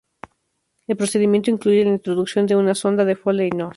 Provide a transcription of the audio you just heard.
El procedimiento incluye la introducción de una sonda de Foley No.